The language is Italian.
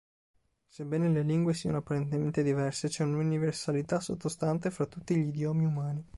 Sebbene le lingue siano apparentemente diverse, c'è un'universalità sottostante fra tutti gli idiomi umani.